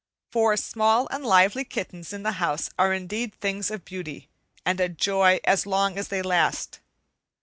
Four small and lively kittens in the house are indeed things of beauty, and a joy as long as they last.